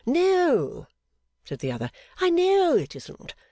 'No,' said the other, 'I know it isn't.